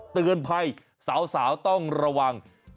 เตือนภัยสาวต้องระวัง